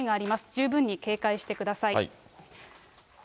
十分に警戒してください。